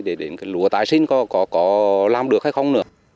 để đến lúa tái sinh có làm được hay không nữa